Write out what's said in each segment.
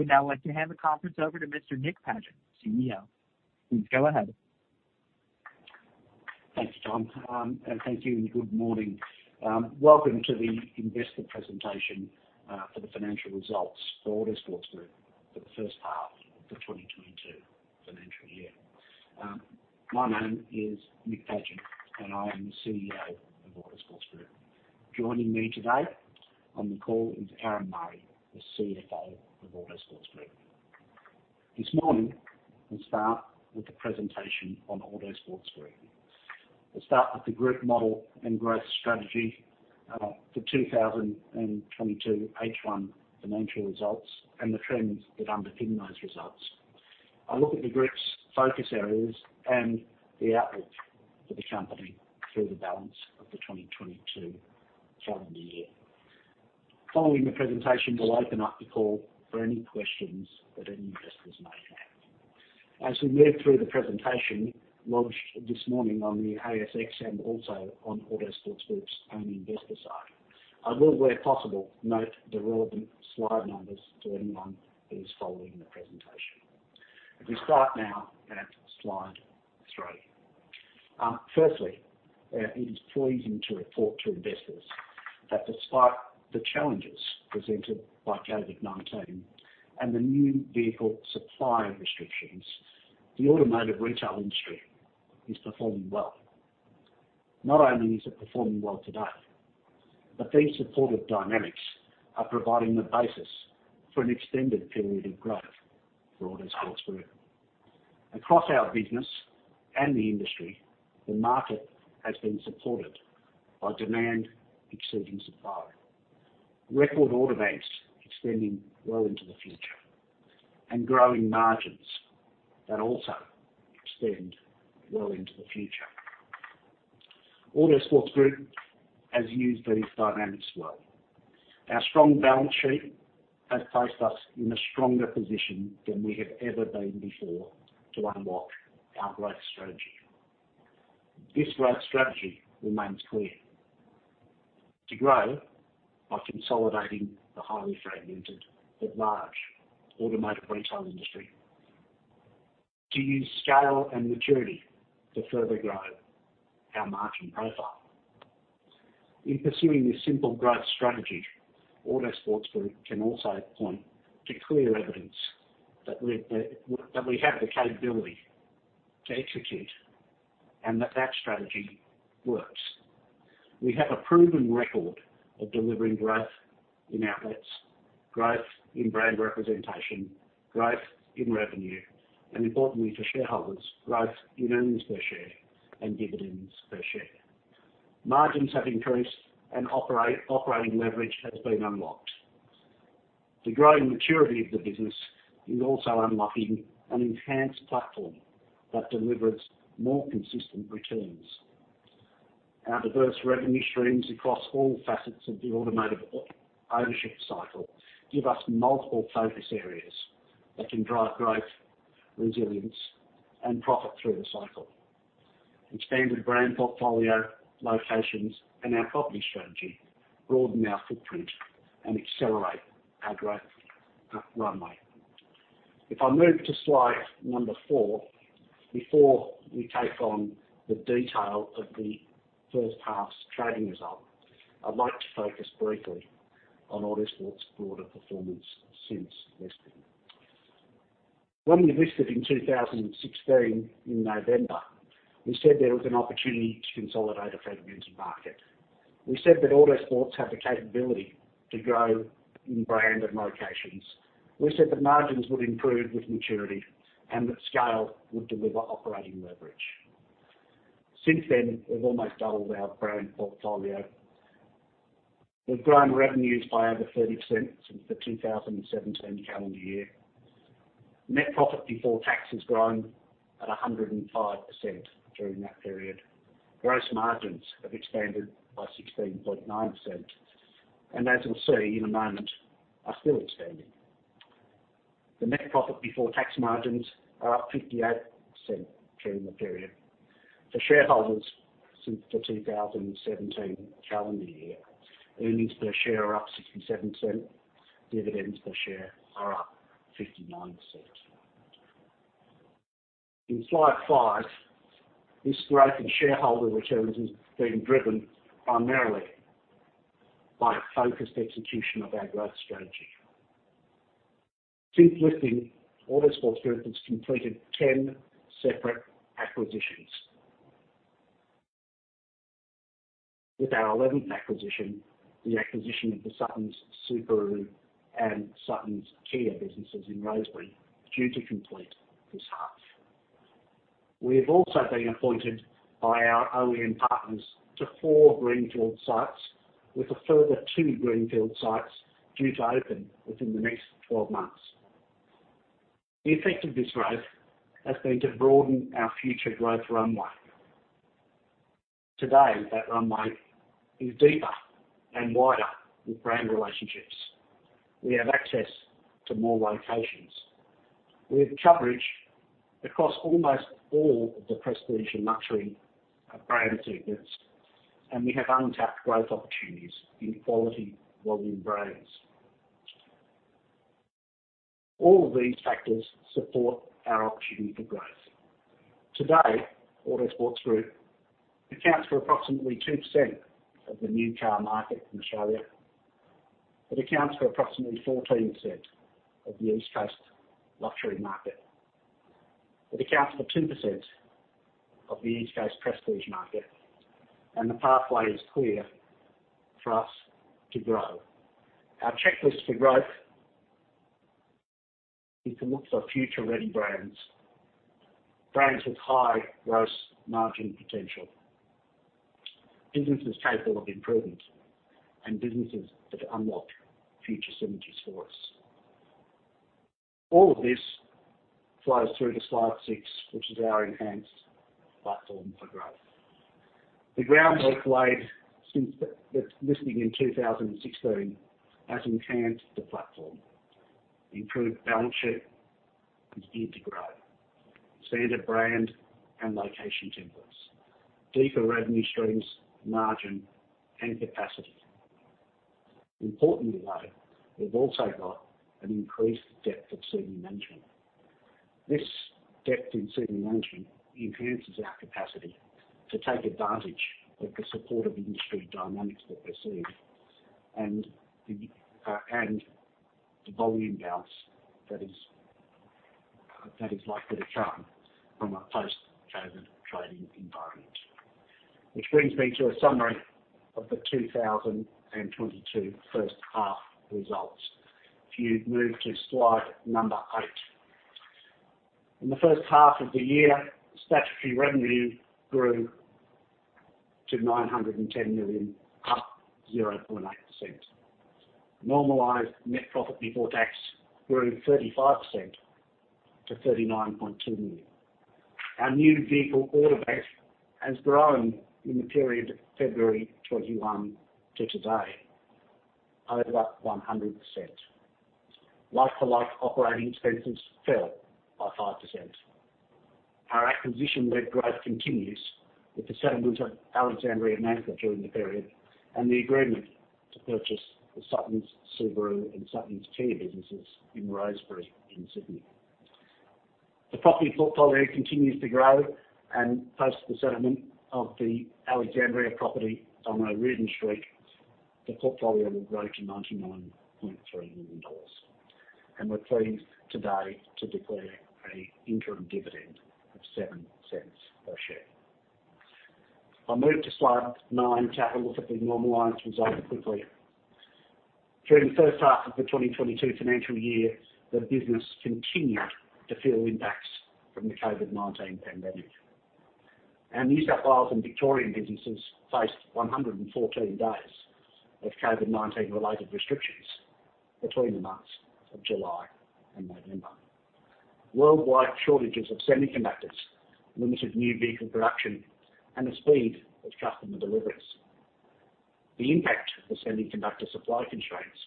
Now I'd like to hand the conference over to Mr. Nick Pagent, CEO. Please go ahead. Thanks, Tom. Thank you, and good morning. Welcome to the investor presentation for the financial results for Autosports Group for the first half of the 2022 financial year. My name is Nick Pagent, and I am the CEO of Autosports Group. Joining me today on the call is Aaron Murray, the CFO of Autosports Group. This morning, we start with the presentation on Autosports Group. We'll start with the group model and growth strategy for 2022 H1 financial results and the trends that underpin those results. I'll look at the group's focus areas and the outlook for the company through the balance of the 2022 calendar year. Following the presentation, we'll open up the call for any questions that any investors may have. As we move through the presentation, launched this morning on the ASX and also on Autosports Group's own investor site, I will, where possible, note the relevant slide numbers to anyone who is following the presentation. If we start now at slide three. First, it is pleasing to report to investors that despite the challenges presented by COVID-19 and the new vehicle supply restrictions, the automotive retail industry is performing well. Not only is it performing well today, but these supportive dynamics are providing the basis for an extended period of growth for Autosports Group. Across our business and the industry, the market has been supported by demand exceeding supply, record order banks extending well into the future, and growing margins that also extend well into the future. Autosports Group has used these dynamics well. Our strong balance sheet has placed us in a stronger position than we have ever been before to unlock our growth strategy. This growth strategy remains clear, to grow by consolidating the highly fragmented, but large, automotive retail industry. To use scale and maturity to further grow our margin profile. In pursuing this simple growth strategy, Autosports Group can also point to clear evidence that we have the capability to execute and that strategy works. We have a proven record of delivering growth in outlets, growth in brand representation, growth in revenue, and importantly for shareholders, growth in earnings per share and dividends per share. Margins have increased and operating leverage has been unlocked. The growing maturity of the business is also unlocking an enhanced platform that delivers more consistent returns. Our diverse revenue streams across all facets of the automotive ownership cycle give us multiple focus areas that can drive growth, resilience, and profit through the cycle. Expanded brand portfolio, locations, and our property strategy broaden our footprint and accelerate our growth runway. If I move to slide four, before we take on the detail of the first half's trading result, I'd like to focus briefly on Autosports' broader performance since listing. When we listed in 2016 in November, we said there was an opportunity to consolidate a fragmented market. We said that Autosports have the capability to grow in brand and locations. We said that margins would improve with maturity and that scale would deliver operating leverage. Since then, we've almost doubled our brand portfolio. We've grown revenues by over 30% since the 2017 calendar year. Net profit before tax has grown at 105% during that period. Gross margins have expanded by 16.9%, and as we'll see in a moment, are still expanding. The net profit before tax margins are up 58% during the period. For shareholders, since the 2017 calendar year, earnings per share are up 0.67, dividends per share are up 0.59. In Slide five, this growth in shareholder returns has been driven primarily by focused execution of our growth strategy. Since listing, Autosports Group has completed 10 separate acquisitions with our 11th acquisition, the acquisition of the Suttons Subaru and Suttons Kia businesses in Rosebery, due to complete this half. We have also been appointed by our OEM partners to four greenfield sites with a further two greenfield sites due to open within the next 12 months. The effect of this growth has been to broaden our future growth runway. Today, that runway is deeper and wider with brand relationships. We have access to more locations. We have coverage across almost all of the prestige and luxury brand segments, and we have untapped growth opportunities in quality volume brands. All of these factors support our opportunity for growth. Today, Autosports Group accounts for approximately 2% of the new car market in Australia. It accounts for approximately 14% of the East Coast luxury market. It accounts for 10% of the East Coast prestige market, and the pathway is clear for us to grow. Our checklist for growth is to look for future-ready brands with high gross margin potential, businesses capable of improvement, and businesses that unlock future synergies for us. All of this flows through to slide six, which is our enhanced platform for growth. The groundwork laid since the listing in 2016 has enhanced the platform. Improved balance sheet is geared to grow. Standard brand and location templates. Deeper revenue streams, margin, and capacity. Importantly though, we've also got an increased depth of senior management. This depth in senior management enhances our capacity to take advantage of the supportive industry dynamics that we're seeing and the volume bounce that is likely to come from a post-COVID trading environment. Which brings me to a summary of the 2022 first half results. If you'd move to slide eight. In the first half of the year, statutory revenue grew to 910 million, up 0.8%. Normalized net profit before tax grew 35% to 39.2 million. Our new vehicle order bank has grown in the period February 2021 to today over 100%. Like-for-like operating expenses fell by 5%. Our acquisition-led growth continues with the settlements of Alexandria and Manuka during the period, and the agreement to purchase the Suttons Subaru and Suttons Kia businesses in Rosebery in Sydney. The property portfolio continues to grow, and post the settlement of the Alexandria property on O'Riordan Street, the portfolio will grow to 99.3 million dollars. We're pleased today to declare an interim dividend of 0.07 per share. I'll move to slide nine to have a look at the normalized results quickly. During the first half of the 2022 financial year, the business continued to feel impacts from the COVID-19 pandemic, and New South Wales and Victorian businesses faced 114 days of COVID-19-related restrictions between the months of July and November. Worldwide shortages of semiconductors limited new vehicle production and the speed of customer deliveries. The impact of the semiconductor supply constraints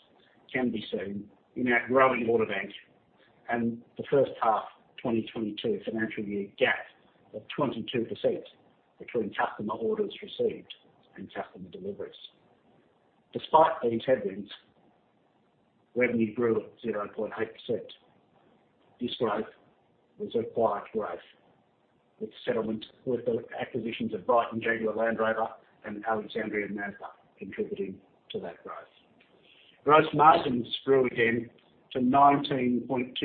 can be seen in our growing order bank and the first half 2022 financial year gap of 22% between customer orders received and customer deliveries. Despite these headwinds, revenue grew at 0.8%. This growth was acquired growth, with the acquisitions of Brighton Jaguar Land Rover and Alexandria Mazda contributing to that growth. Gross margins grew again to 19.2%,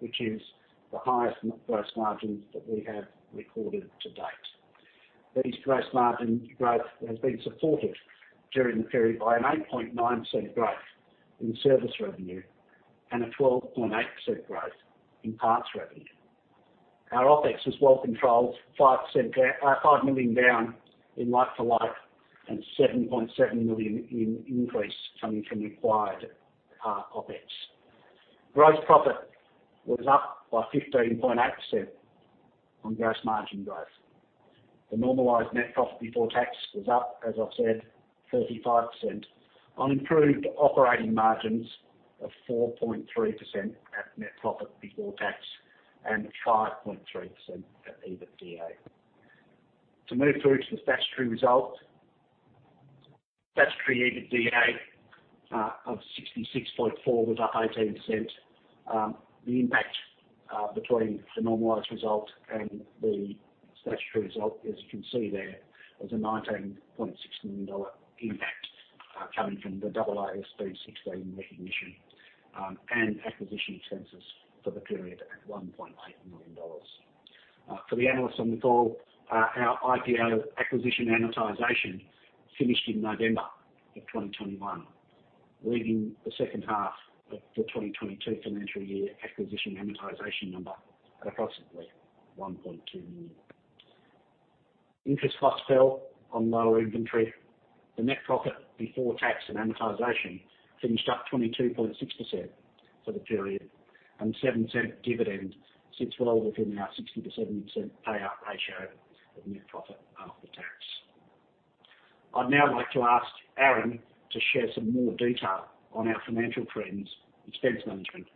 which is the highest net gross margins that we have recorded to date. This gross margin growth has been supported during the period by an 8.9% growth in service revenue and a 12.8% growth in parts revenue. Our OpEx was well controlled, 5% down, 5 million down in like for like, and 7.7 million increase coming from acquired OpEx. Gross profit was up by 15.8% on gross margin growth. The normalized net profit before tax was up, as I've said, 35% on improved operating margins of 4.3% at net profit before tax and 5.3% at EBITDA. To move through to the statutory result. Statutory EBITDA of 66.4 was up 18%. The impact between the normalized result and the statutory result, as you can see there, was an 19.6 million dollar impact, coming from the AASB 16 recognition, and acquisition expenses for the period at 1.8 million dollars. For the analysts on the call, our IPO acquisition amortization finished in November 2021, leaving the second half of the 2022 financial year acquisition amortization number at approximately 1.2 million. Interest costs fell on lower inventory. The net profit before tax and amortization finished up 22.6% for the period, and 0.07 dividend sits well within our 60%-70% payout ratio of net profit after tax. I'd now like to ask Aaron to share some more detail on our financial trends, expense management,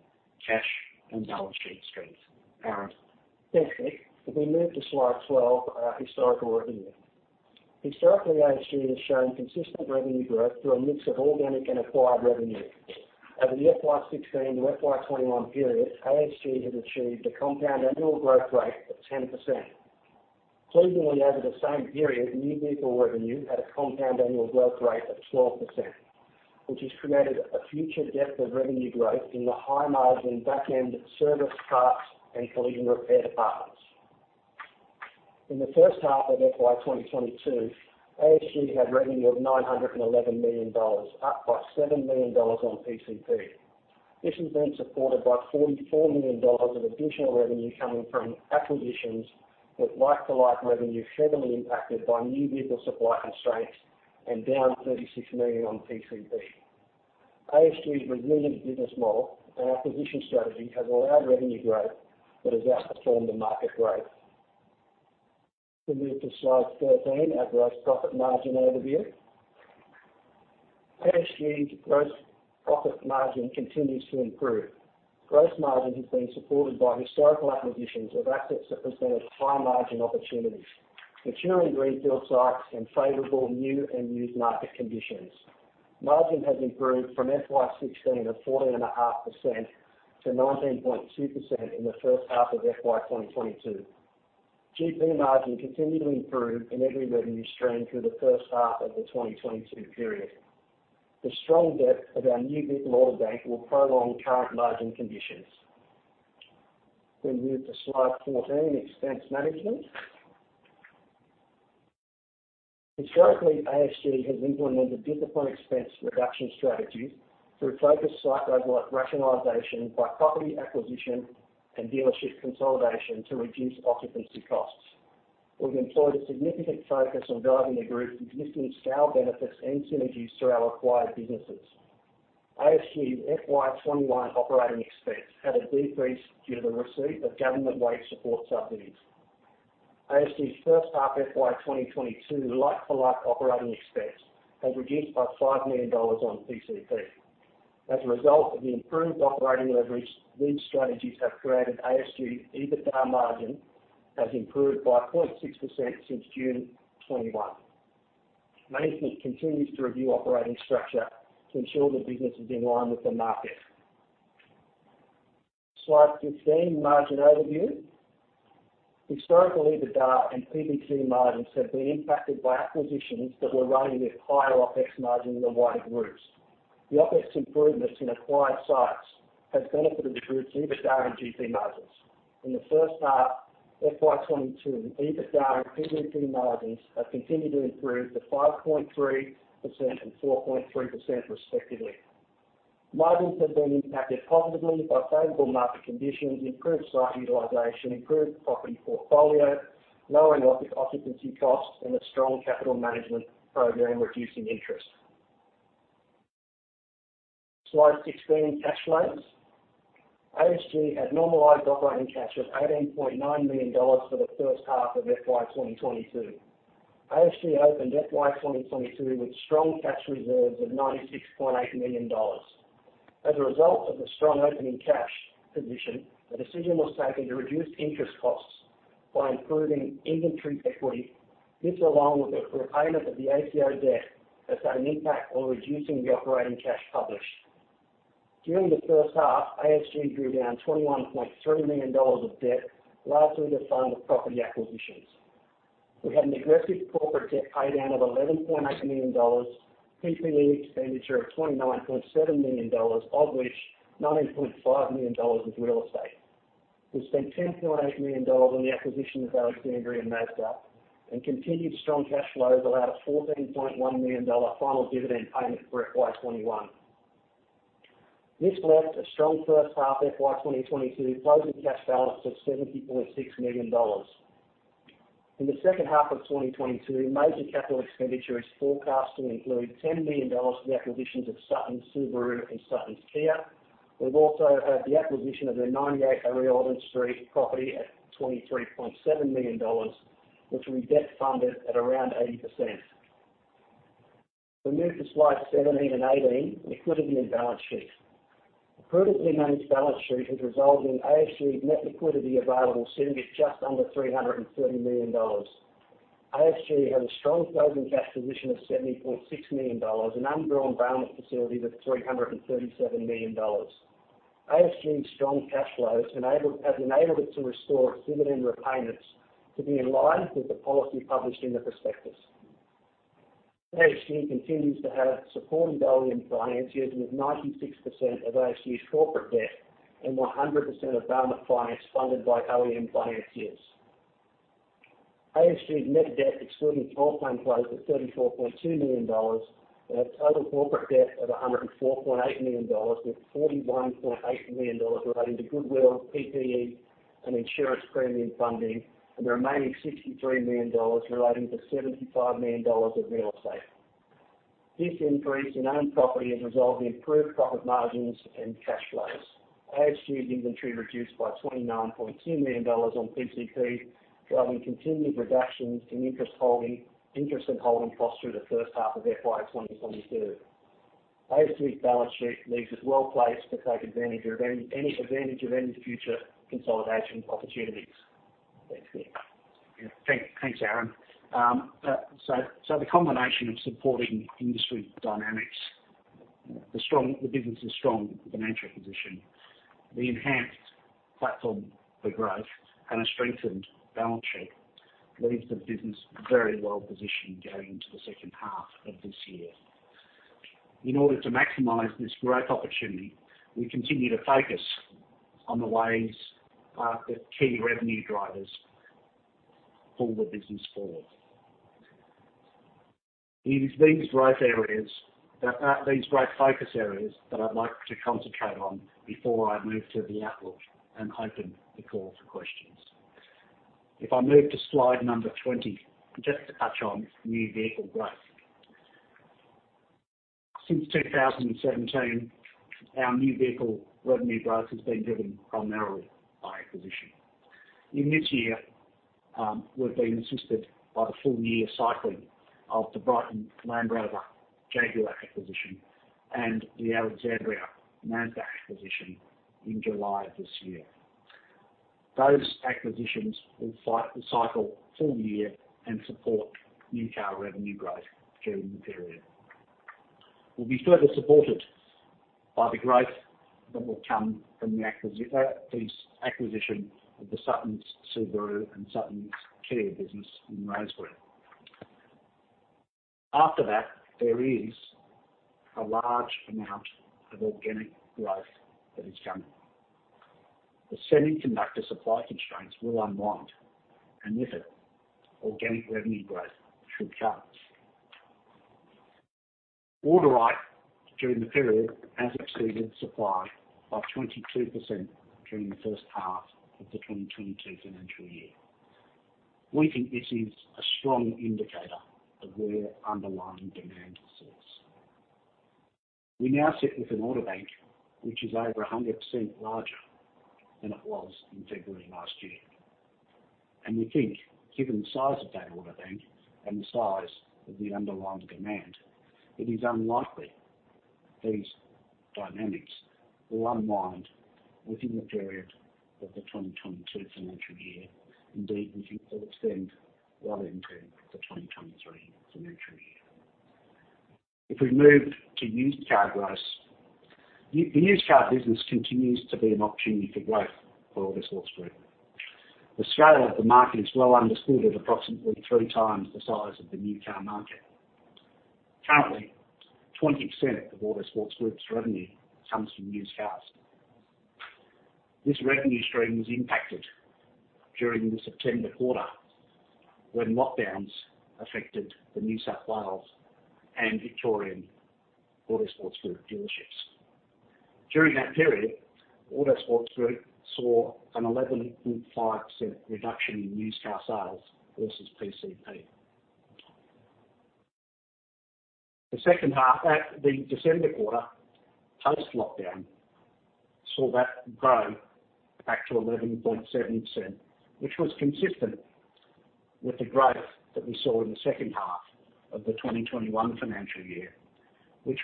cash, and balance sheet strength. Aaron? Thanks, Nick. If we move to slide 12, historical revenue. Historically, ASG has shown consistent revenue growth through a mix of organic and acquired revenue. Over the FY 2016 to FY 2021 period, ASG has achieved a compound annual growth rate of 10%. Pleasingly over the same period, new vehicle revenue had a compound annual growth rate of 12%, which has created a future depth of revenue growth in the high-margin back end service parts and collision repair departments. In the first half of FY 2022, ASG had revenue of 911 million dollars, up by 7 million dollars on PCP. This has been supported by 44 million dollars of additional revenue coming from acquisitions with like-for-like revenue heavily impacted by new vehicle supply constraints and down 36 million on PCP. ASG's resilient business model and acquisition strategy has allowed revenue growth that has outperformed the market growth. If we move to slide 13, our gross profit margin overview. ASG's gross profit margin continues to improve. Gross margin has been supported by historical acquisitions of assets that presented high margin opportunities, maturing greenfield sites, and favorable new and used market conditions. Margin has improved from FY 2016 of 14.5% to 19.2% in the first half of FY 2022. GP margin continued to improve in every revenue stream through the first half of the 2022 period. The strong depth of our new vehicle order bank will prolong current margin conditions. If we move to slide 14, expense management. Historically, ASG has implemented disciplined expense reduction strategies through focused site-over-site rationalization by property acquisition and dealership consolidation to reduce occupancy costs. We've employed a significant focus on driving the group's existing scale benefits and synergies through our acquired businesses. ASG's FY 2021 operating expense had a decrease due to the receipt of government-wide support subsidies. ASG's first half FY 2022 like-for-like operating expense has reduced by 5 million dollars on PCP. As a result of the improved operating leverage, these strategies have created ASG's EBITDA margin has improved by 0.6% since June 2021. Management continues to review operating structure to ensure the business is in line with the market. Slide 15, margin overview. Historically, EBITDA and PBT margins have been impacted by acquisitions that were running at higher OpEx margin than the wider groups. The OpEx improvements in acquired sites has benefited the group's EBITDA and GP margins. In the first half FY 2022, the EBITDA and PBT margins have continued to improve to 5.3% and 4.3% respectively. Margins have been impacted positively by favorable market conditions, improved site utilization, improved property portfolio, lowering occupancy costs, and a strong capital management program reducing interest. Slide 16, cash flows. ASG had normalized operating cash of 18.9 million dollars for the first half of FY 2022. ASG opened FY 2022 with strong cash reserves of 96.8 million dollars. As a result of the strong opening cash position, a decision was taken to reduce interest costs by improving inventory equity. This, along with the repayment of the ATO debt, has had an impact on reducing the operating cash published. During the first half, ASG drew down 21.3 million dollars of debt largely to fund the property acquisitions. We had an aggressive corporate debt pay down of AUD 11.8 million, completing the expenditure of AUD 29.7 million, of which AUD 19.5 million was real estate. We spent AUD 10.8 million on the acquisition of Alexandria Mazda, and continued strong cash flows allowed a AUD 14.1 million final dividend payment for FY 2021. This left a strong first half FY 2022 closing cash balance of 70.6 million dollars. In the second half of 2022, major capital expenditure is forecast to include 10 million dollars for the acquisitions of Suttons Subaru and Suttons Kia. We've also had the acquisition of the 98 O'Riordan Street property at 23.7 million dollars, which will be debt-funded at around 80%. If we move to slide 17 and 18, liquidity and balance sheet. A prudently managed balance sheet has resulted in ASG's net liquidity available sitting at just under 330 million dollars. ASG has a strong closing cash position of 70.6 million dollars, an undrawn balance facility of 337 million dollars. ASG's strong cash flows has enabled it to restore its dividend repayments to be in line with the policy published in the prospectus. ASG continues to have supported OEM financiers, with 96% of ASG's corporate debt and 100% of floor plan finance funded by OEM financiers. ASG's net debt, excluding floor plan, closed at 34.2 million dollars, and a total corporate debt of 104.8 million dollars, with 41.8 million dollars relating to goodwill, PPE, and insurance premium funding, and the remaining 63 million dollars relating to 75 million dollars of real estate. This increase in owned property has resulted in improved profit margins and cash flows. ASG's inventory reduced by 29.2 million dollars on PCP, driving continued reductions in interest and holding costs through the first half of FY 2022. ASG's balance sheet leaves us well-placed to take advantage of any future consolidation opportunities. Thanks. Yeah. Thanks, Aaron. The combination of supporting industry dynamics, the business' strong financial position, the enhanced platform for growth, and a strengthened balance sheet leaves the business very well positioned going into the second half of this year. In order to maximize this growth opportunity, we continue to focus on the ways that key revenue drivers pull the business forward. It is these growth focus areas that I'd like to concentrate on before I move to the outlook and open the call for questions. If I move to slide number 20, just to touch on new vehicle growth. Since 2017, our new vehicle revenue growth has been driven primarily by acquisition. In this year, we've been assisted by the full year cycling of the Brighton Jaguar Land Rover acquisition and the Alexandria Mazda acquisition in July of this year. Those acquisitions will cycle full year and support new car revenue growth during the period. We'll be further supported by the growth that will come from the acquisition of the Suttons Subaru and Suttons Kia business in Rosebery. After that, there is a large amount of organic growth that is coming. The semiconductor supply constraints will unwind, and with it, organic revenue growth should come. Order rate during the period has exceeded supply by 22% during the first half of the 2022 financial year. We think this is a strong indicator of where underlying demand sits. We now sit with an order bank which is over 100% larger than it was in February last year. We think given the size of that order bank and the size of the underlying demand, it is unlikely these dynamics will unwind within the period of the 2022 financial year. Indeed, we think they'll extend well into the 2023 financial year. If we move to used car growth, the used car business continues to be an opportunity for growth for Autosports Group. The scale of the market is well understood at approximately 3x the size of the new car market. Currently, 20% of Autosports Group's revenue comes from used cars. This revenue stream was impacted during the September quarter when lockdowns affected the New South Wales and Victorian Autosports Group dealerships. During that period, Autosports Group saw an 11.5% reduction in used car sales versus PCP. The second half, the December quarter post-lockdown saw that grow back to 11.7%, which was consistent with the growth that we saw in the second half of the 2021 financial year, which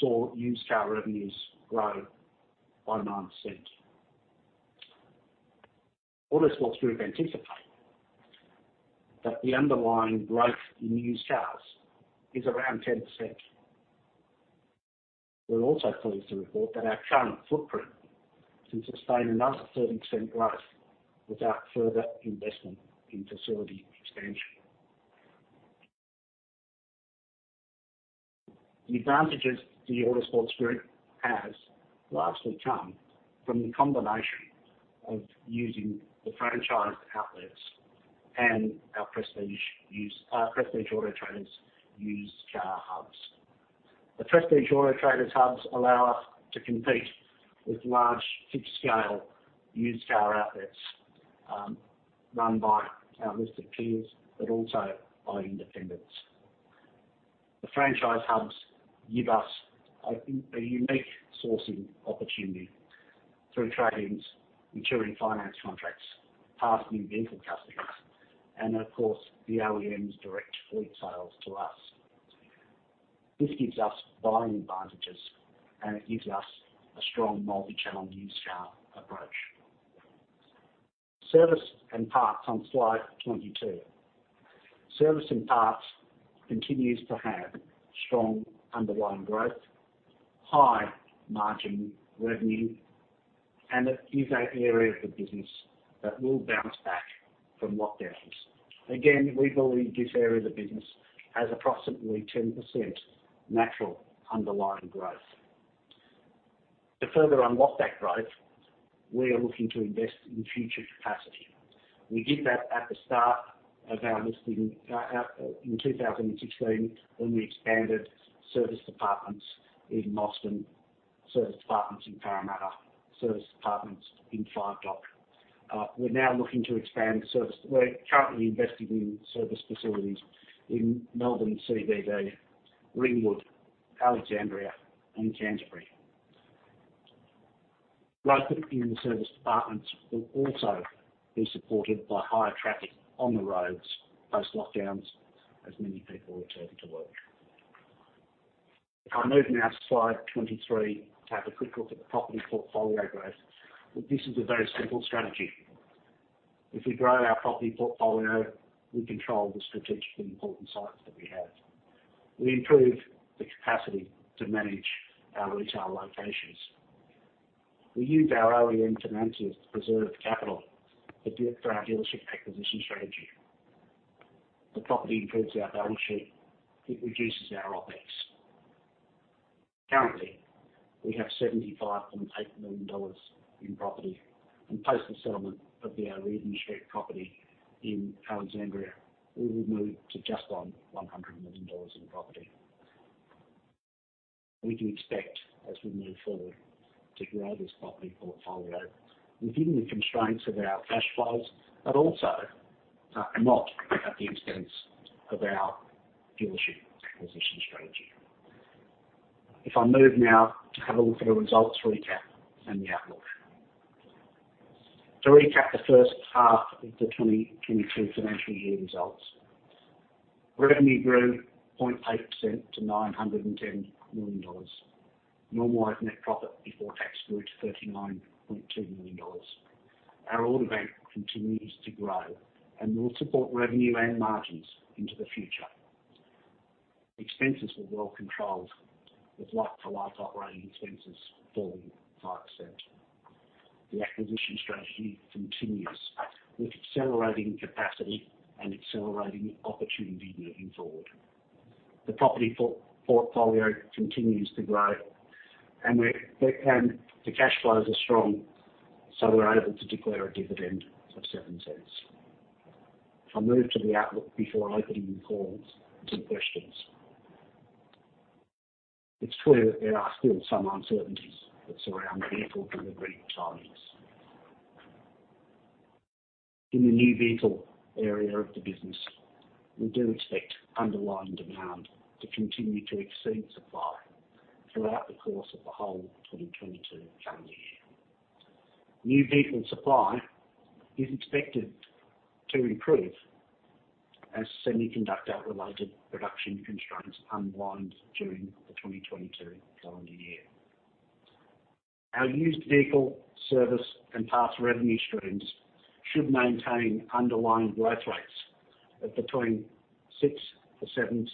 saw used car revenues grow by 9%. Autosports Group anticipate that the underlying growth in used cars is around 10%. We're also pleased to report that our current footprint can sustain another 30% growth without further investment in facility expansion. The advantages the Autosports Group has largely come from the combination of using the franchised outlets and our Prestige Auto Traders used car hubs. The Prestige Auto Traders hubs allow us to compete with large, big scale used car outlets run by our listed peers, but also by independents. The franchise hubs give us a unique sourcing opportunity through trade-ins, maturing finance contracts, past new vehicle customers, and of course, the OEM's direct fleet sales to us. This gives us buying advantages, and it gives us a strong multi-channel used car approach. Service and parts on slide 22. Service and parts continues to have strong underlying growth, high margin revenue, and it is an area of the business that will bounce back from lockdowns. Again, we believe this area of the business has approximately 10% natural underlying growth. To further unlock that growth, we are looking to invest in future capacity. We did that at the start of our listing in 2016, when we expanded service departments in Artarmon, service departments in Parramatta, service departments in Five Dock. We're now looking to expand service. We're currently investing in service facilities in Melbourne CBD, Ringwood, Alexandria, and Canterbury. Local in-service departments will also be supported by higher traffic on the roads post-lockdowns as many people return to work. If I move now to slide 23 to have a quick look at the property portfolio growth. This is a very simple strategy. If we grow our property portfolio, we control the strategically important sites that we have. We improve the capacity to manage our retail locations. We use our OEM finances to preserve capital to build for our dealership acquisition strategy. The property improves our balance sheet. It reduces our OpEx. Currently, we have 75.8 million dollars in property. Post the settlement of the Eden Street property in Alexandria, we will move to just under 100 million dollars in property. We can expect, as we move forward, to grow this property portfolio within the constraints of our cash flows, but also not at the expense of our dealership acquisition strategy. If I move now to have a look at the results recap and the outlook. To recap the first half of the 2022 financial year results, revenue grew 0.8% to 910 million dollars. Normalized net profit before tax grew to 39.2 million dollars. Our order bank continues to grow and will support revenue and margins into the future. Expenses were well controlled, with like-for-like operating expenses falling 5%. The acquisition strategy continues with accelerating capacity and accelerating opportunity moving forward. The property portfolio continues to grow and the cash flows are strong, so we're able to declare a dividend of 0.07. If I move to the outlook before opening the call to questions. It's clear that there are still some uncertainties that surround vehicle delivery timings. In the new vehicle area of the business, we do expect underlying demand to continue to exceed supply throughout the course of the whole 2022 calendar year. New vehicle supply is expected to improve as semiconductor-related production constraints unwind during the 2022 calendar year. Our used vehicle service and parts revenue streams should maintain underlying growth rates of between 6%-9%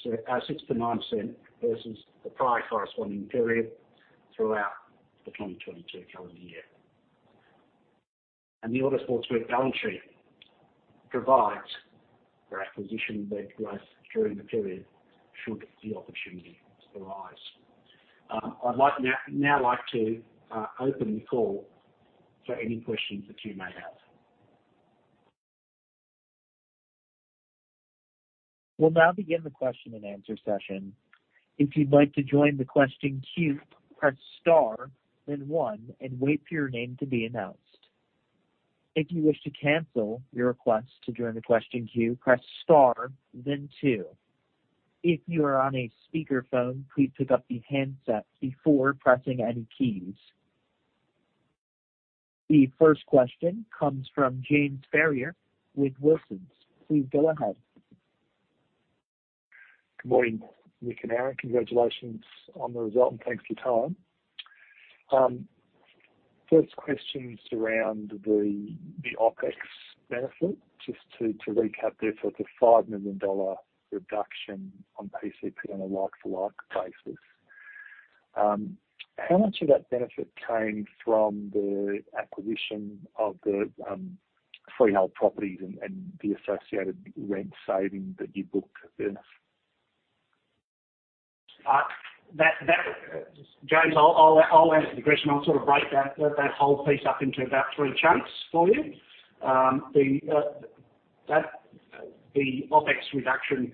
versus the prior corresponding period throughout the 2022 calendar year. The Autosports Group balance sheet provides for acquisition-led growth during the period should the opportunity arise. I'd like to open the call for any questions that you may have. The first question comes from James Ferrier with Wilsons. Please go ahead. Good morning, Nick and Aaron. Congratulations on the result and thanks for your time. First question's around the OpEx benefit. Just to recap therefore, the 5 million dollar reduction on PCP on a like-for-like basis. How much of that benefit came from the acquisition of the freehold properties and the associated rent saving that you book then? James, I'll answer the question. I'll sort of break that whole piece up into about three chunks for you. The OpEx reduction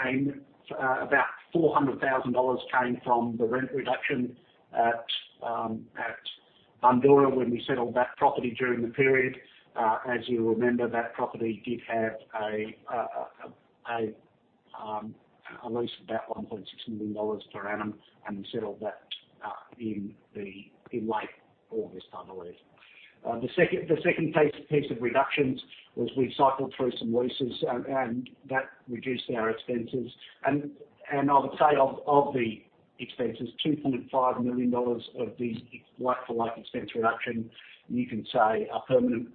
came about 400,000 dollars from the rent reduction at Bundoora when we settled that property during the period. As you remember, that property did have a lease of about 1.6 million dollars per annum, and we settled that in late August, I believe. The second piece of reductions was we cycled through some leases and that reduced our expenses. I would say of the expenses, 2.5 million dollars of the like-for-like expense reduction you can say are permanent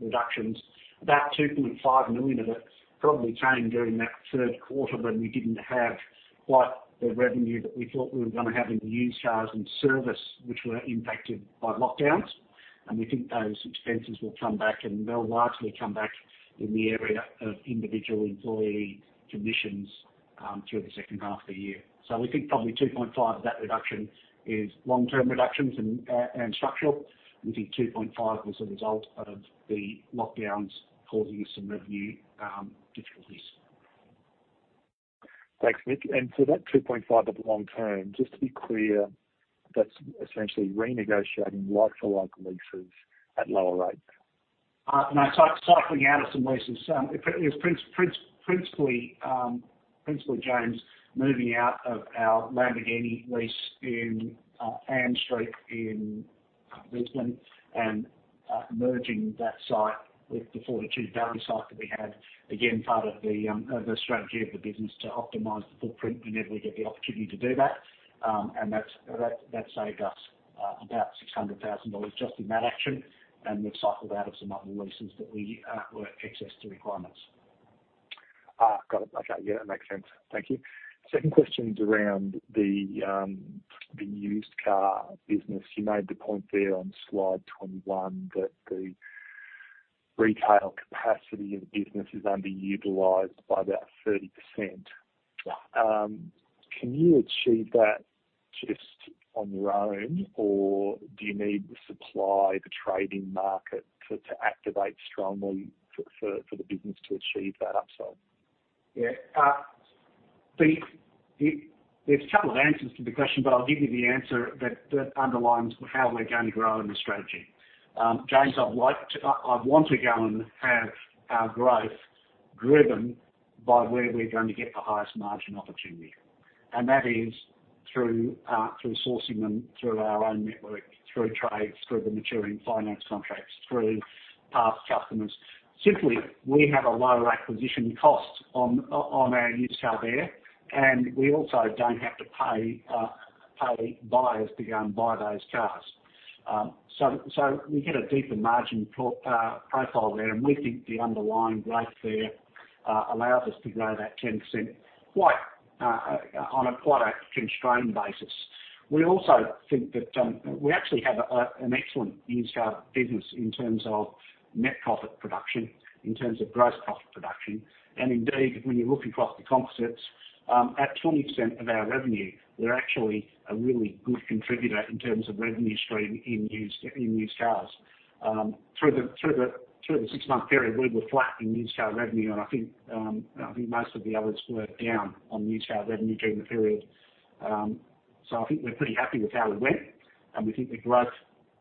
reductions. About 2.5 million of it probably came during that third quarter when we didn't have quite the revenue that we thought we were gonna have in used cars and service, which were impacted by lockdowns. We think those expenses will come back, and they'll largely come back in the area of individual employee commissions through the second half of the year. We think probably 2.5 million of that reduction is long-term reductions and structural. We think 2.5 million was a result of the lockdowns causing some revenue difficulties. Thanks, Nick. That 2.5 million of the long term, just to be clear, that's essentially renegotiating like for like leases at lower rates? No. Cycling out of some leases. It was principally, James, moving out of our Lamborghini lease in Ann Street in Brisbane and merging that site with the Fortitude Valley site that we had. Again, part of the strategy of the business to optimize the footprint whenever we get the opportunity to do that. That's saved us about 600,000 dollars just in that action, and we've cycled out of some other leases that we were excess to requirements. Got it. Okay. Yeah, that makes sense. Thank you. Second question's around the used car business. You made the point there on slide 21 that the retail capacity of the business is underutilized by about 30%. Yeah. Can you achieve that just on your own? Do you need the supply, the trading market to activate strongly for the business to achieve that upside? Yeah. There's a couple of answers to the question, but I'll give you the answer that underlines how we're gonna grow in the strategy. James, I want to go and have our growth driven by where we're going to get the highest margin opportunity. That is through sourcing them through our own network, through trades, through the maturing finance contracts, through past customers. Simply, we have a lower acquisition cost on our used car there, and we also don't have to pay buyers to go and buy those cars. We get a deeper margin profile there, and we think the underlying growth there allows us to grow that 10% quite on a constrained basis. We also think that we actually have an excellent used car business in terms of net profit production, in terms of gross profit production. Indeed, when you look across the composites, at 20% of our revenue, we're actually a really good contributor in terms of revenue stream in used cars. Through the six-month period, we were flat in used car revenue, and I think most of the others were down on used car revenue during the period. I think we're pretty happy with how it went, and we think the growth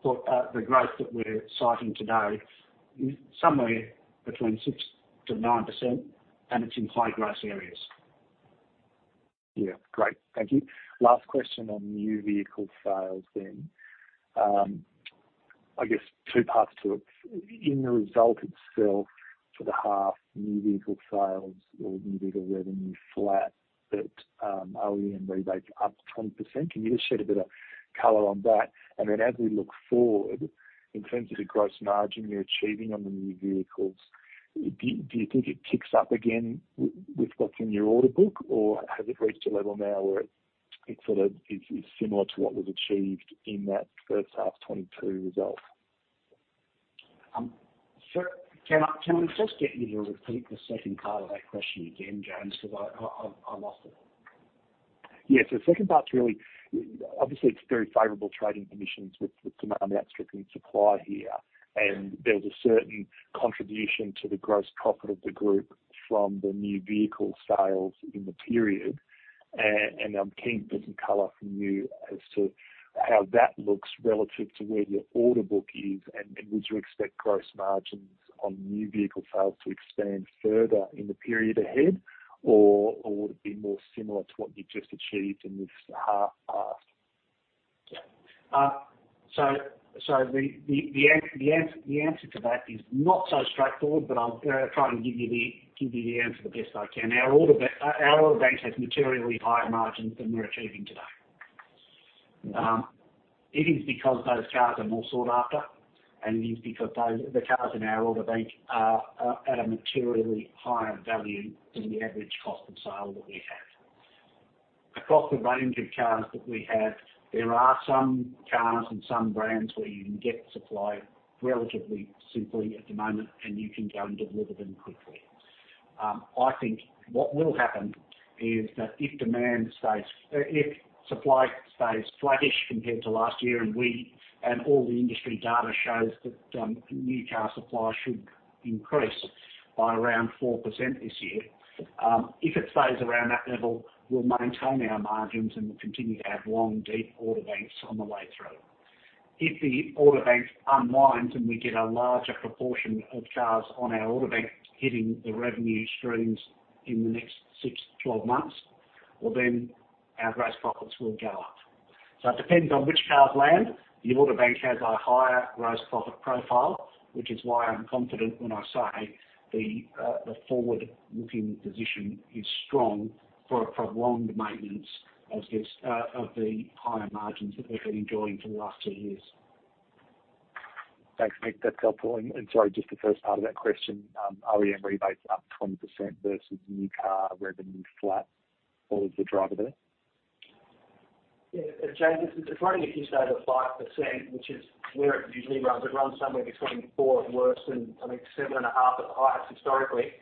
that we're citing today is somewhere between 6%-9%, and it's in high-growth areas. Yeah. Great. Thank you. Last question on new vehicle sales then. I guess two parts to it. In the result itself for the half, new vehicle sales or new vehicle revenue flat, but OEM rebates up 20%. Can you just shed a bit of color on that? And then as we look forward in terms of the gross margin you're achieving on the new vehicles, do you think it ticks up again with what's in your order book? Or has it reached a level now where it sort of is similar to what was achieved in that first half 2022 result? Can I just get you to repeat the second part of that question again, James? Because I lost it. Yeah. Second part's really, obviously, it's very favorable trading conditions with some amount of short supply here, and there's a certain contribution to the gross profit of the group from the new vehicle sales in the period. I'm keen for some color from you as to how that looks relative to where your order book is. Would you expect gross margins on new vehicle sales to expand further in the period ahead? Or would it be more similar to what you've just achieved in this half? Yeah, the answer to that is not so straightforward, but I'll try and give you the answer the best I can. Our order bank has materially higher margins than we're achieving today. It is because those cars are more sought after, and it is because those cars in our order bank are at a materially higher value than the average cost of sale that we have. Across the range of cars that we have, there are some cars and some brands where you can get supply relatively simply at the moment, and you can go and deliver them quickly. I think what will happen is that if supply stays flattish compared to last year, and all the industry data shows that, new car supply should increase by around 4% this year. If it stays around that level, we'll maintain our margins, and we'll continue to have long, deep order banks on the way through. If the order banks unwind, and we get a larger proportion of cars on our order bank hitting the revenue streams in the next six, 12 months, well, then our gross profits will go up. It depends on which cars land. The order bank has a higher gross profit profile, which is why I'm confident when I say the forward-looking position is strong for a prolonged maintenance of the higher margins that we've been enjoying for the last two years. Thanks, Nick. That's helpful. Sorry, just the first part of that question. OEM rebates up 20% versus new car revenue flat. What was the driver there? Yeah. James, it's running at just over 5%, which is where it usually runs. It runs somewhere between 4% at worst and I think 7.5% at highest historically.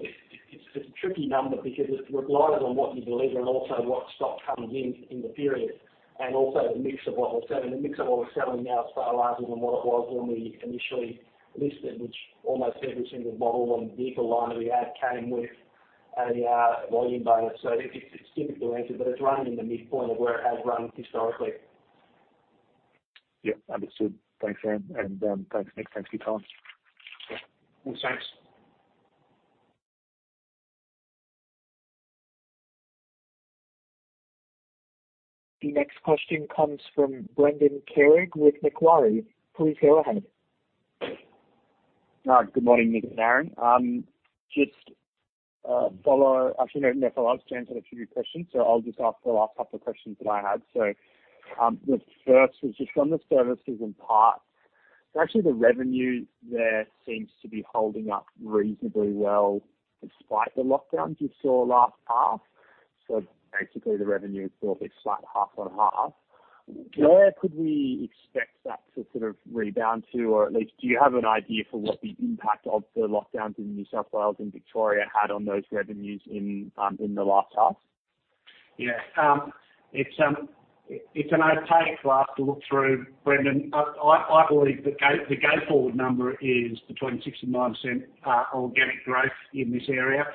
It's a tricky number because it relies on what you deliver and also what stock comes in in the period, and also the mix of what we're selling. The mix of what we're selling now is far larger than what it was when we initially listed, which almost every single model and vehicle line that we had came with a volume bonus. It's difficult to answer, but it's running in the midpoint of where it has run historically. Yeah, understood. Thanks, Aaron, and thanks, Nick. Thanks for your time. Sure. Well, thanks. The next question comes from Brendan Carrig with Macquarie. Please go ahead. Good morning, Nick and Aaron. Just, actually, no, Nick, I'll just transfer a few questions, so I'll just ask the last couple of questions that I had. The first was just on the services and parts, actually the revenue there seems to be holding up reasonably well despite the lockdowns you saw last half. Basically the revenue is still a bit flat half-on-half. Where could we expect that to sort of rebound to? Or at least do you have an idea for what the impact of the lockdowns in New South Wales and Victoria had on those revenues in the last half? Yeah. It's an opaque glass to look through, Brendan. I believe the go-forward number is between 6% and 9% organic growth in this area.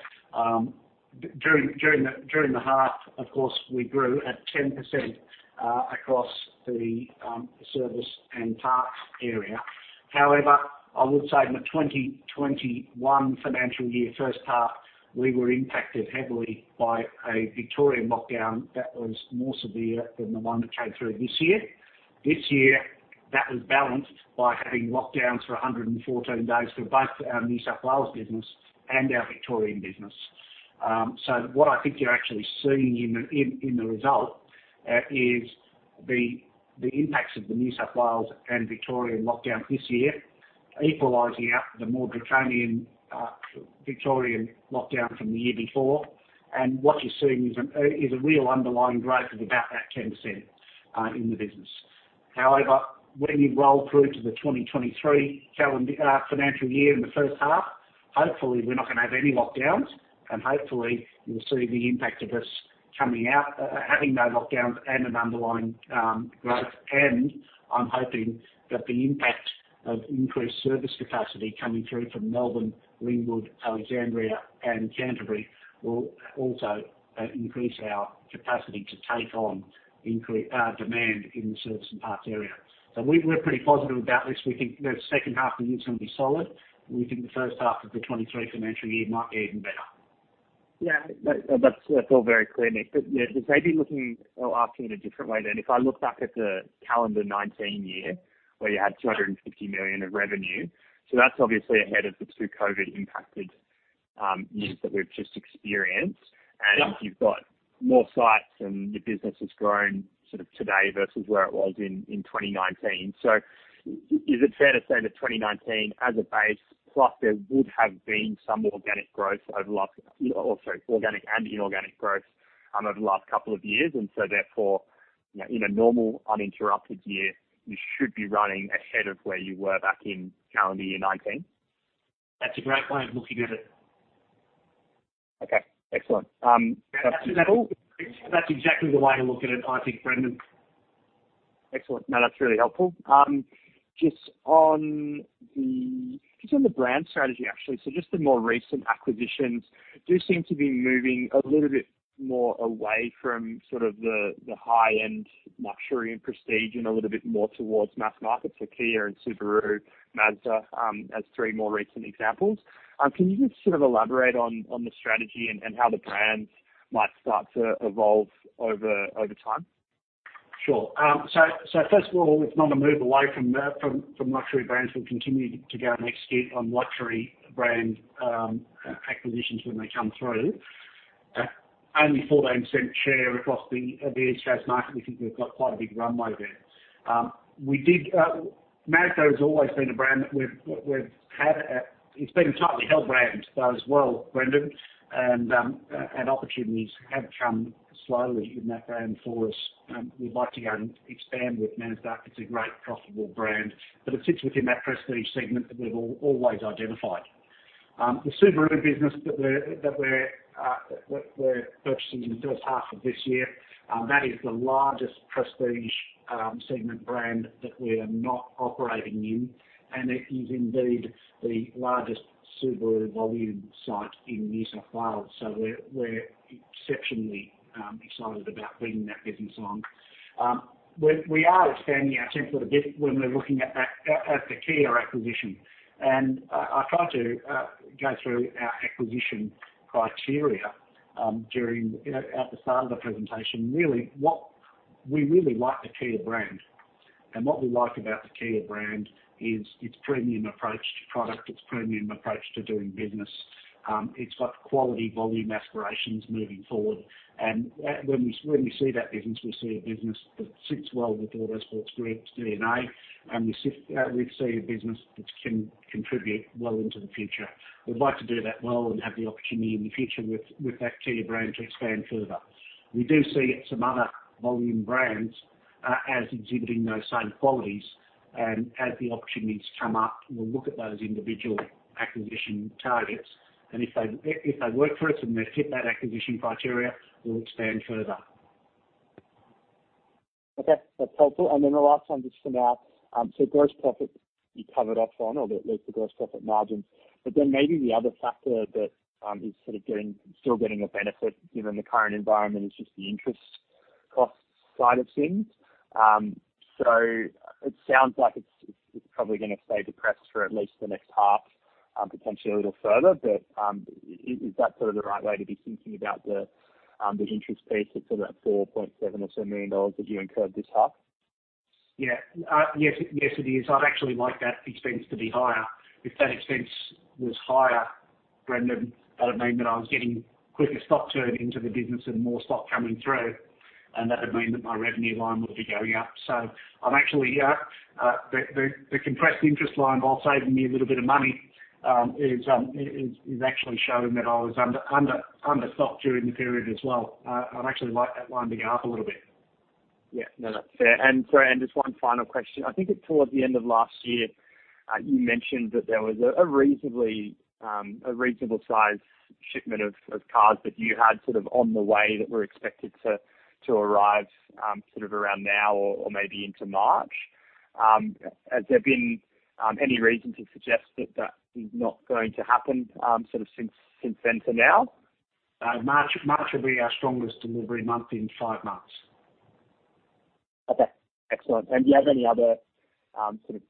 During the half, of course, we grew at 10% across the service and parts area. However, I would say in the 2021 financial year, first half, we were impacted heavily by a Victorian lockdown that was more severe than the one that came through this year. This year, that was balanced by having lockdowns for 114 days for both our New South Wales business and our Victorian business. What I think you're actually seeing in the result is the impacts of the New South Wales and Victorian lockdown this year equalizing out the more draconian Victorian lockdown from the year before. What you're seeing is a real underlying growth of about that 10% in the business. However, when you roll through to the 2023 financial year in the first half, hopefully we're not gonna have any lockdowns, and hopefully you'll see the impact of us coming out having no lockdowns and an underlying growth. I'm hoping that the impact of increased service capacity coming through from Melbourne, Ringwood, Alexandria, and Canterbury will also increase our capacity to take on increased demand in the service and parts area. We're pretty positive about this. We think the second half of the year is gonna be solid. We think the first half of the 2023 financial year might be even better. Yeah. That's all very clear, Nick. Yeah, maybe looking or asking in a different way then. If I look back at the 2019 calendar year where you had 250 million of revenue, so that's obviously ahead of the two COVID-impacted years that we've just experienced. Yeah. You've got more sites and your business has grown sort of today versus where it was in 2019. Is it fair to say that 2019 as a base, plus there would have been some organic and inorganic growth over the last couple of years, and so therefore, you know, in a normal, uninterrupted year, you should be running ahead of where you were back in calendar year 2019? That's a great way of looking at it. Okay, excellent. That's all. That's exactly the way to look at it, I think, Brendan. Excellent. No, that's really helpful. Just on the brand strategy, actually. Just the more recent acquisitions do seem to be moving a little bit more away from sort of the high-end luxury and prestige and a little bit more towards mass market, so Kia and Subaru, Mazda, as three more recent examples. Can you just sort of elaborate on the strategy and how the brands might start to evolve over time? Sure. First of all, it's not a move away from luxury brands. We'll continue to go and execute on luxury brand acquisitions when they come through. Only 14% share across the luxury market. We think we've got quite a big runway there. Mazda has always been a brand that we've had. It's been a tightly held brand, though, as well, Brendan. Opportunities have come slowly in that brand for us. We'd like to go and expand with Mazda. It's a great profitable brand, but it sits within that prestige segment that we've always identified. The Subaru business that we're purchasing in the first half of this year, that is the largest prestige segment brand that we are not operating in, and it is indeed the largest Subaru volume site in New South Wales. We're exceptionally excited about bringing that business on. We are expanding our template a bit when we're looking at that, at the Kia acquisition. I tried to go through our acquisition criteria at the start of the presentation. We really like the Kia brand. What we like about the Kia brand is its premium approach to product, its premium approach to doing business. It's got quality volume aspirations moving forward. When we see that business, we see a business that sits well with Autosports Group's DNA, and we see a business that can contribute well into the future. We'd like to do that well and have the opportunity in the future with that Kia brand to expand further. We do see some other volume brands as exhibiting those same qualities. As the opportunities come up, we'll look at those individual acquisition targets, and if they work for us and they fit that acquisition criteria, we'll expand further. Okay, that's helpful. Then the last one just for now. Gross profit. You covered off on or at least the gross profit margins. Then maybe the other factor that is sort of still getting a benefit given the current environment is just the interest cost side of things. It sounds like it's probably gonna stay depressed for at least the next half, potentially a little further. Is that sort of the right way to be thinking about the interest piece? It's sort of at 4.7 million dollars or 7 million that you incurred this half. Yeah. Yes, it is. I'd actually like that expense to be higher. If that expense was higher, Brendan, that would mean that I was getting quicker stock turn into the business and more stock coming through, and that would mean that my revenue line would be going up. I'm actually. The compressed interest line, while saving me a little bit of money, is actually showing that I was under stocked during the period as well. I'd actually like that line to go up a little bit. Yeah. No, that's fair. Sorry, just one final question. I think it's toward the end of last year, you mentioned that there was a reasonable size shipment of cars that you had sort of on the way that were expected to arrive sort of around now or maybe into March. Has there been any reason to suggest that is not going to happen, sort of since then to now? March will be our strongest delivery month in five months. Okay, excellent. Do you have any other sort of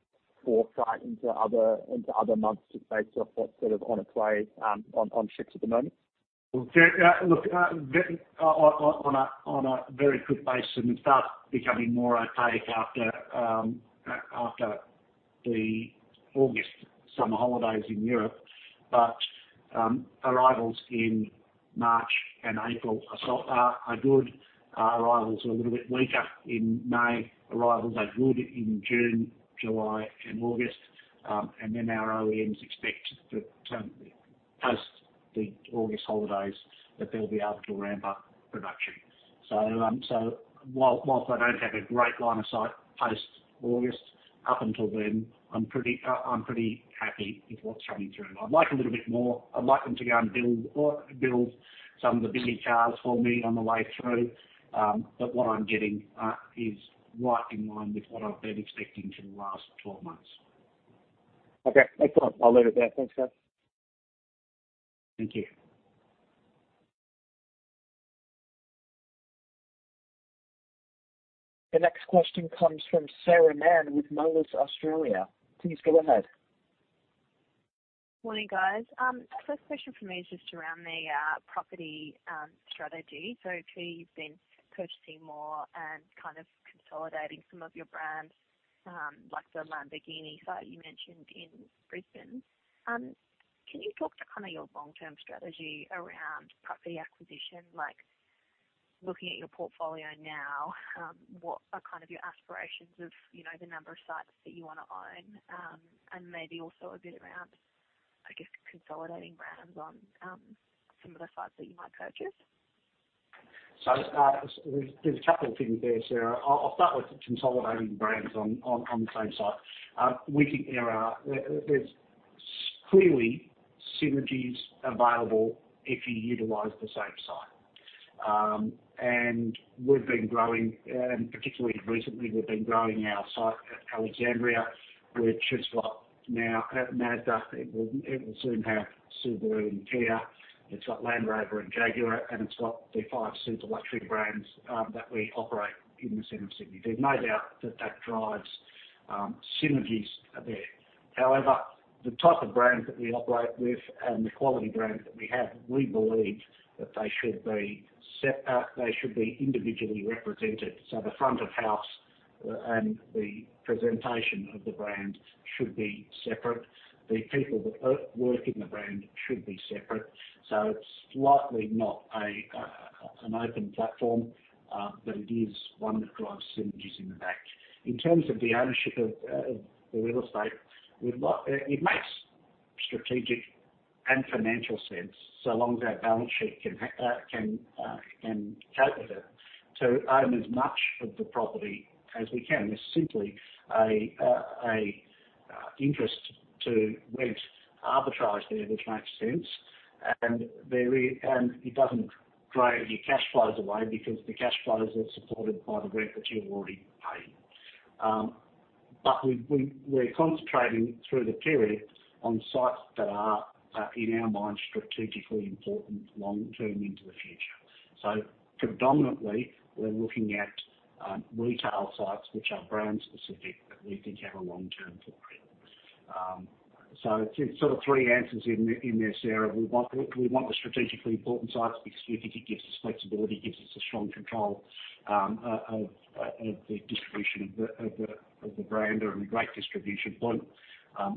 foresight into other months just based off what's sort of on its way on ships at the moment? Well, yeah, look, on a very quick basis, it starts becoming more opaque after the August summer holidays in Europe, but arrivals in March and April are good. Our arrivals are a little bit weaker in May. Arrivals are good in June, July and August. Then our OEMs expect that post the August holidays they'll be able to ramp up production. So while I don't have a great line of sight post August, up until then, I'm pretty happy with what's coming through. I'd like a little bit more. I'd like them to go and build some of the bigger cars for me on the way through. What I'm getting is right in line with what I've been expecting for the last 12 months. Okay, excellent. I'll leave it there. Thanks, guys. Thank you. The next question comes from Sarah Mann with Moelis Australia. Please go ahead. Morning, guys. First question from me is just around the property strategy. Clearly you've been purchasing more and kind of consolidating some of your brands, like the Lamborghini site you mentioned in Brisbane. Can you talk to kind of your long-term strategy around property acquisition, like looking at your portfolio now, what are kind of your aspirations of, you know, the number of sites that you wanna own? Maybe also a bit around, I guess, consolidating brands on some of the sites that you might purchase. There's a couple of things there, Sarah. I'll start with consolidating brands on the same site. We think there's clearly synergies available if you utilize the same site. We've been growing, and particularly recently, we've been growing our site at Alexandria, which has got Mazda now. It will soon have Subaru and Kia. It's got Land Rover and Jaguar, and it's got the five super luxury brands that we operate in the center of Sydney. There's no doubt that that drives synergies there. However, the type of brands that we operate with and the quality brands that we have, we believe that they should be set up, they should be individually represented. The front of house and the presentation of the brand should be separate. The people that work in the brand should be separate. It's likely not an open platform, but it is one that drives synergies in the back. In terms of the ownership of the real estate, it makes strategic and financial sense so long as our balance sheet can cope with it, to own as much of the property as we can. There's simply an interest to rent arbitrage there, which makes sense, and it doesn't drive your cash flows away because the cash flows are supported by the rent that you're already paying. We're concentrating through the period on sites that are in our mind, strategically important long-term into the future. Predominantly, we're looking at retail sites which are brand specific that we think have a long-term footprint. Two or sort of three answers in there, Sarah. We want the strategically important sites because we think it gives us flexibility, it gives us a strong control of the distribution of the brand or a great distribution point.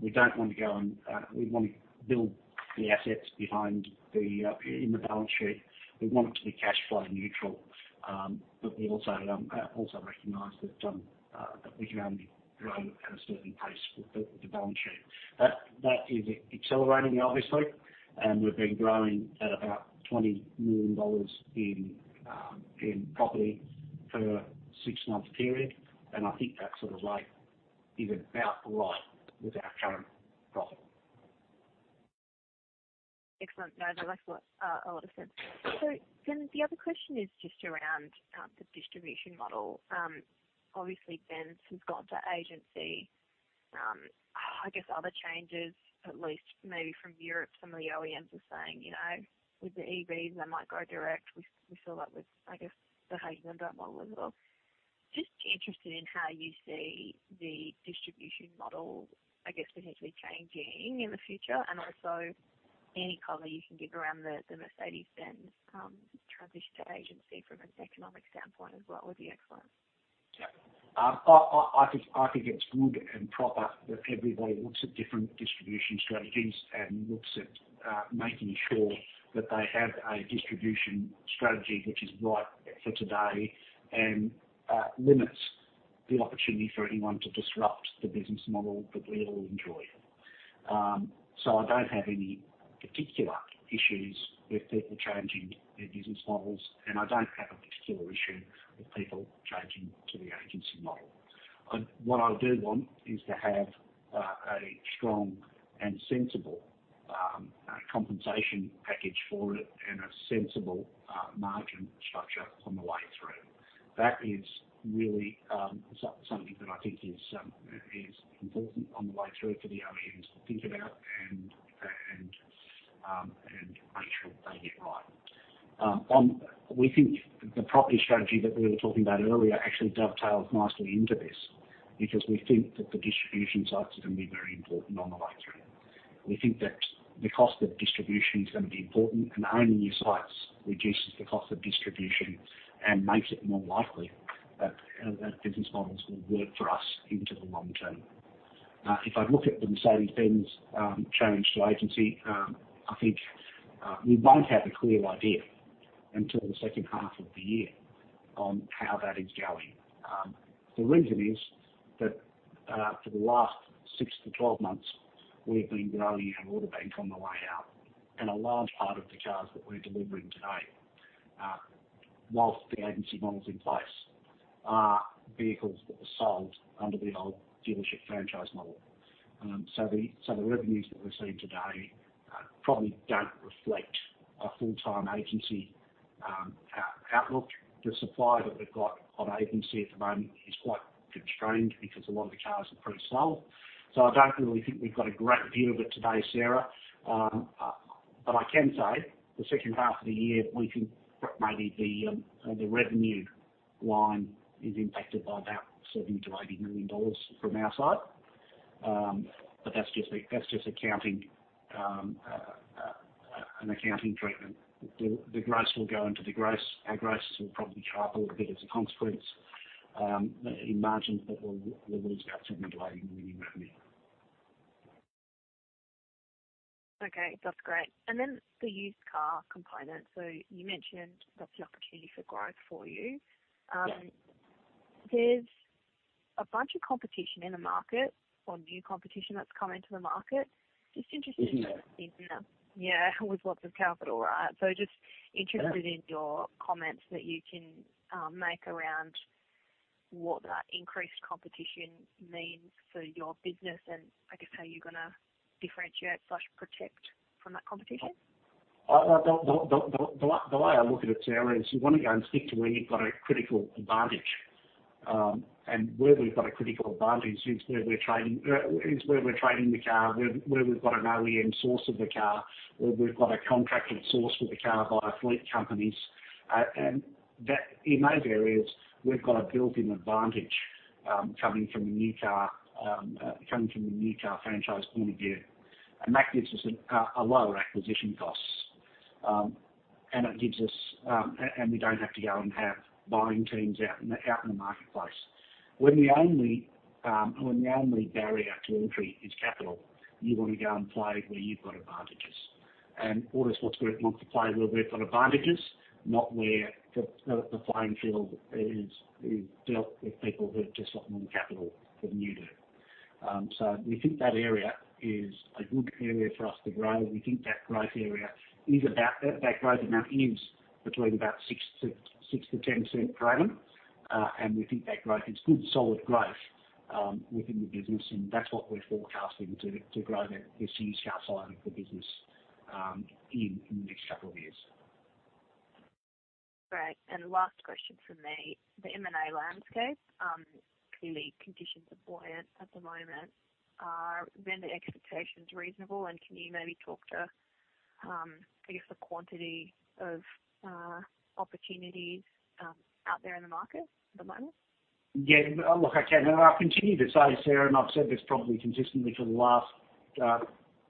We don't want to go and we want to build the assets behind them in the balance sheet. We want it to be cash flow neutral. We also recognize that we can only grow at a certain pace with the balance sheet. That is accelerating obviously, and we've been growing at about 20 million dollars in property per six months period. I think that's sort of like, is about right with our current Excellent. No, that makes a lot of sense. The other question is just around the distribution model. Obviously Benz has gone to agency. I guess other changes, at least maybe from Europe, some of the OEMs are saying, you know, with the EVs, they might go direct. We saw that with, I guess, the Honda model as well. Just interested in how you see the distribution model, I guess, potentially changing in the future and also any color you can give around the Mercedes-Benz transition to agency from an economic standpoint as well would be excellent. Yeah, I think it's good and proper that everybody looks at different distribution strategies and looks at making sure that they have a distribution strategy which is right for today and limits the opportunity for anyone to disrupt the business model that we all enjoy. I don't have any particular issues with people changing their business models, and I don't have a particular issue with people changing to the agency model. What I do want is to have a strong and sensible compensation package for it and a sensible margin structure on the way through. That is really something that I think is important on the way through for the OEMs to think about and make sure they get right. We think the property strategy that we were talking about earlier actually dovetails nicely into this because we think that the distribution sites are gonna be very important on the way through. We think that the cost of distribution is gonna be important, and owning your sites reduces the cost of distribution and makes it more likely that that business models will work for us into the long term. If I look at the Mercedes-Benz challenge to agency, I think we won't have a clear idea until the second half of the year on how that is going. The reason is that, for the last six to 12 months, we've been growing our order bank on the way out, and a large part of the cars that we're delivering today, while the agency model's in place, are vehicles that were sold under the old dealership franchise model. The revenues that we're seeing today probably don't reflect a full-time agency outlook. The supply that we've got on agency at the moment is quite constrained because a lot of the cars are pre-sold. I don't really think we've got a great view of it today, Sarah. I can say the second half of the year, we think maybe the revenue line is impacted by about 70 million-80 million dollars from our side. That's just accounting, an accounting treatment. The gross will go into the gross. Our gross will probably hurt a little bit as a consequence in margins, but we'll lose about AUD 70 million-AUD 80 million revenue. Okay, that's great. The used car component. You mentioned that's the opportunity for growth for you. Yeah. There's a bunch of competition in the market or new competition that's come into the market. Just interested- Mm-hmm. Yeah. With lots of capital, right? Just interested- Yeah. In your comments that you can make around what that increased competition means for your business and I guess how you're gonna differentiate/protect from that competition. The way I look at it, Sarah, is you wanna go and stick to where you've got a critical advantage. Where we've got a critical advantage is where we're trading the car, where we've got an OEM source of the car, or we've got a contracted source for the car by fleet companies. In those areas, we've got a built-in advantage, coming from a new car, coming from the new car franchise point of view. That gives us a lower acquisition costs, and it gives us. We don't have to go and have buying teams out in the marketplace. When the only barrier to entry is capital, you wanna go and play where you've got advantages. Autosports Group wants to play where we've got advantages, not where the playing field is dealt with people who have just got more capital than you do. We think that area is a good area for us to grow. We think that growth amount is between about 6%-10% growing. We think that growth is good, solid growth within the business, and that's what we're forecasting to grow that, this used car side of the business in the next couple of years. Great. Last question from me. The M&A landscape, clearly conditions are buoyant at the moment. Are vendor expectations reasonable? Can you maybe talk to, I guess the quantity of opportunities out there in the market at the moment? Yeah. Look, I can. I'll continue to say, Sarah, and I've said this probably consistently for the last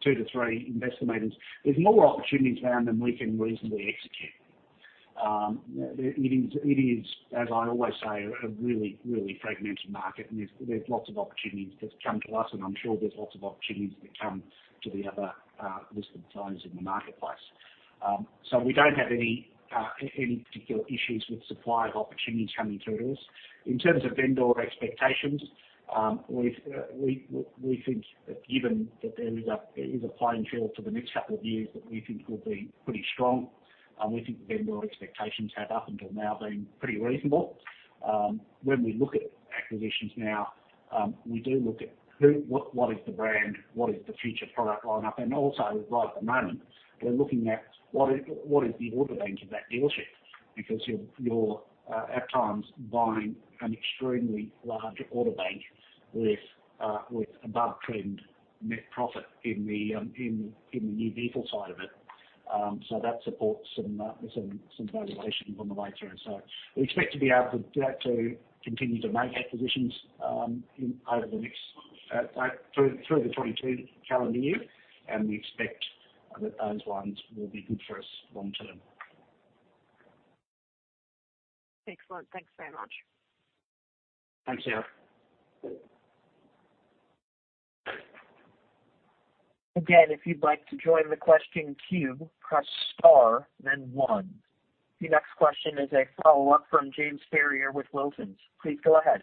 two to three investor meetings. There's more opportunities around than we can reasonably execute. It is, as I always say, a really, really fragmented market and there's lots of opportunities that come to us, and I'm sure there's lots of opportunities that come to the other listed players in the marketplace. We don't have any particular issues with supply of opportunities coming through to us. In terms of vendor expectations, we think that given that there is a playing field for the next couple of years that we think will be pretty strong. We think that their expectations have up until now been pretty reasonable. When we look at acquisitions now, we do look at what is the brand, what is the future product line up, and also right at the moment, we're looking at what is the order bank of that dealership because you're at times buying an extremely large order bank with above trend net profit in the new vehicle side of it. So that supports some valuations on the way through. We expect to be able to continue to make acquisitions over the next through the 2022 calendar year, and we expect that those ones will be good for us long term. Excellent. Thanks very much. Thanks, Sarah. The next question is a follow-up from James Ferrier with Wilsons. Please go ahead.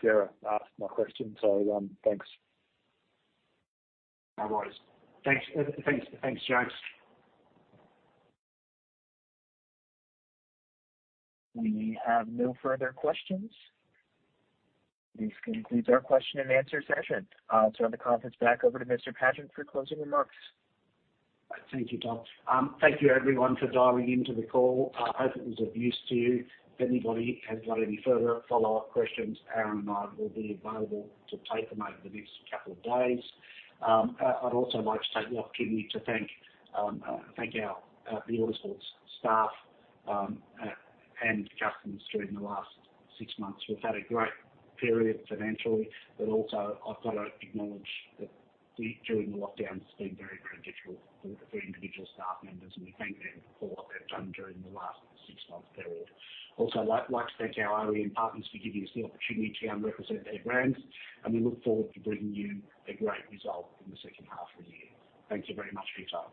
Sarah asked my question, so, thanks. No worries. Thanks. Thanks, James. We have no further questions. This concludes our question and answer session. I'll turn the conference back over to Mr. Pagent for closing remarks. Thank you, Tom. Thank you everyone for dialing into the call. I hope it was of use to you. If anybody has got any further follow-up questions, Aaron and I will be available to take them over the next couple of days. I'd also like to take the opportunity to thank our Autosports staff and customers during the last six months. We've had a great period financially, but also I've gotta acknowledge that during the lockdown, it's been very, very difficult for individual staff members, and we thank them for what they've done during the last six months period. Also I'd like to thank our OEM partners for giving us the opportunity to represent their brands, and we look forward to bringing you a great result in the second half of the year. Thank you very much for your time.